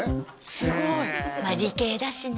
すごいまあ理系だしね